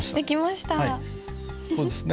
そうですね。